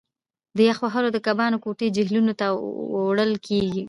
د یخ وهلو د کبانو کوټې جهیلونو ته وړل کیږي